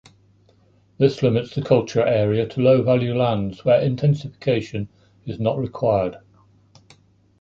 This limits the culture area to low value lands where intensification is not required.